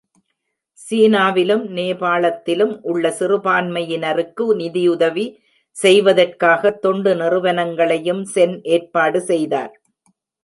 சீனாவிலும் நேபாளத்திலும் உள்ள சிறுபான்மையினருக்கு நிதி உதவி செய்வதற்காக தொண்டு நிறுவனங்களையும் சென் ஏற்பாடு செய்தார்.